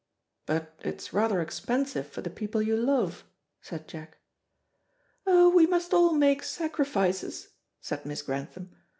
"But it's rather expensive for the people you love," said Jack. "Oh, we must all make sacrifices," said Miss Grantham.